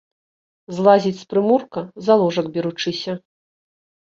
Злазіць з прымурка, за ложак беручыся.